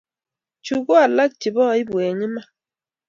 Chu ko alak chebo aibu, eng imana